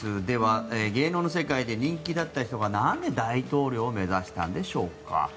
では芸能の世界で人気だった人がなぜ大統領を目指したんでしょうか。